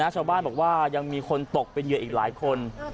ชาวบ้านบอกว่ายังมีคนตกเป็นเหยื่ออีกหลายคน